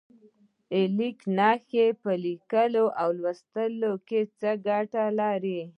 لیک نښې په لیکلو او لوستلو کې څه ګټه لري؟